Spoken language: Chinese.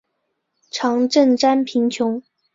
常赈赡贫穷。